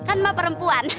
kan mak perempuan